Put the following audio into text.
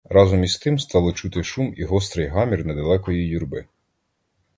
Разом із тим стало чути шум і гострий гамір недалекої юрби.